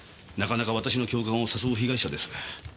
なかなか私の共感を誘う被害者です。